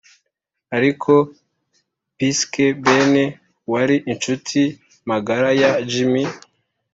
ariko pisces ben wari inshuti magara ya jim